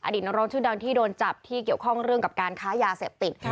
นักร้องชื่อดังที่โดนจับที่เกี่ยวข้องเรื่องกับการค้ายาเสพติด